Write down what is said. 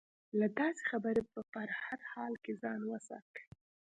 له داسې خبرې په هر حال کې ځان وساتي.